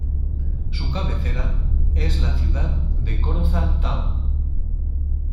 Su cabecera es la ciudad de Corozal Town.